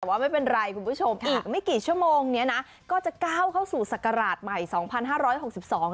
แต่ว่าไม่เป็นไรคุณผู้ชมอีกไม่กี่ชั่วโมงเนี้ยนะก็จะก้าวเข้าสู่ศักราชใหม่สองพันห้าร้อยหกสิบสอง